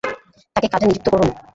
তাকে কাজে নিযুক্ত করুন।